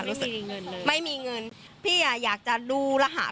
รู้สึกมีเงินเลยไม่มีเงินพี่อ่ะอยากจะดูรหัส